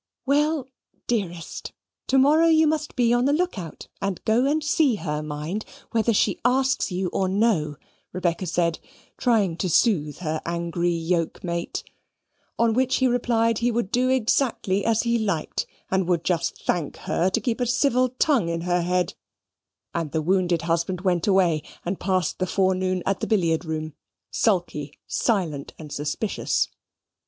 "Well, dearest, to morrow you must be on the look out, and go and see her, mind, whether she asks you or no," Rebecca said, trying to soothe her angry yoke mate. On which he replied, that he would do exactly as he liked, and would just thank her to keep a civil tongue in her head and the wounded husband went away, and passed the forenoon at the billiard room, sulky, silent, and suspicious.